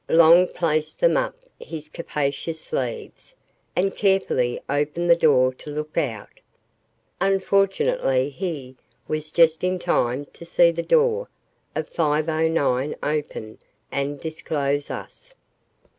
Long placed them up his capacious sleeves and carefully opened the door to look out. Unfortunately he, was just in time to see the door of 509 open and disclose us.